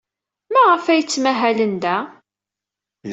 Maɣef ay ttmahalen da?